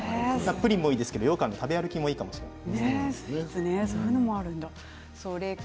プリンもいいですがようかんの食べ歩きもいいかもしれません。